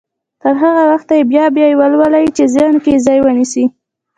تر هغه وخته يې بيا بيا يې ولولئ چې ذهن کې ځای ونيسي.